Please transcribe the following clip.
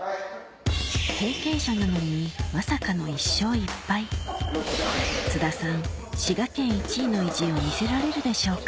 経験者なのに津田さん滋賀県１位の意地を見せられるでしょうか？